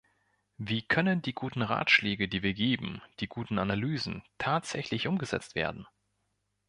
Wie können die guten Ratschläge, die wir geben, die guten Analysen, tatsächlich umgesetzt werden?